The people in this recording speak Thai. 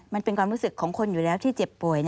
มันเป็นความรู้สึกของคนอยู่แล้วที่เจ็บป่วย